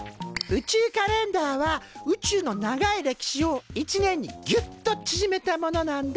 宇宙カレンダーは宇宙の長い歴史を１年にギュッと縮めたものなんだ。